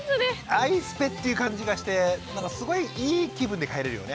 「アイスペ」っていう感じがしてなんかすごいいい気分で帰れるよね。